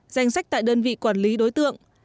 danh sách tại đơn vị quản lý đối tượng